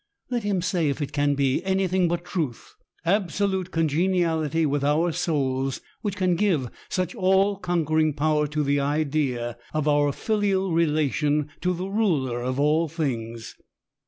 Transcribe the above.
Let him say if it can be anything but truth, — absolute congeniality with our souls, — which can give such all conquering power to the idea of our filial relation to the Ruler of all things.